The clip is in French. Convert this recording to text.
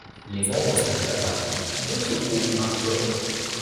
Les membres font déjà partie d'autres groupes hardcore.